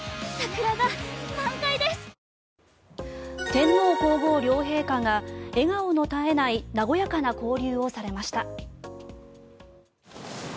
天皇・皇后両陛下が笑顔の絶えない和やかな交流をされました。